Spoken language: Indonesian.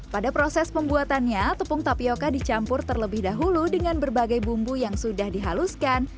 pada proses pembuatannya tepung tapioca dicampur terlebih dahulu dengan berbagai bumbu yang sudah dihaluskan